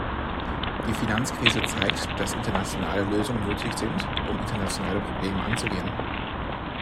Die Finanzkrise zeigt, dass internationale Lösungen nötig sind, um internationale Probleme anzugehen.